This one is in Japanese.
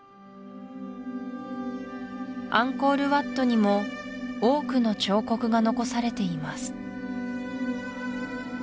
アンコール・ワットにも多くの彫刻が残されています